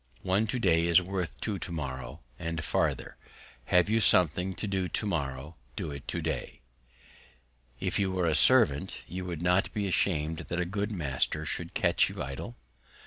One To day is worth two To morrows, and farther, Have you somewhat to do To morrow, do it To day. If you were a Servant, would you not be ashamed that a good Master should catch you idle?